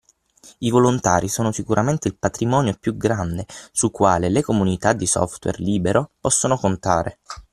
I volontari sono sicuramente il patrimonio più grande sul quale le comunità di software libero possono contare.